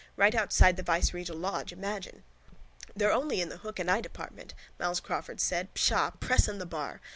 Right outside the viceregal lodge, imagine! —They're only in the hook and eye department, Myles Crawford said. Psha! Press and the bar!